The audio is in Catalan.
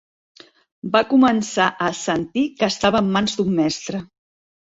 Va començar a sentir que estava en mans d'un mestre.